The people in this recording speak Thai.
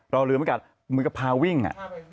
เราลืมิกัดเหมือนกับพารวิ่ง